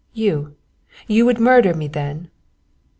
"You you would murder me, then?"